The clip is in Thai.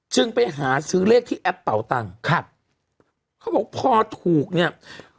จึงไปหาซื้อเลขที่แอปเป่าตังค์ครับเขาบอกพอถูกเนี่ย